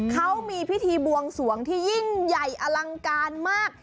เขามีพิธีบวงสวงที่ยิ่งใหญ่อลังการมาก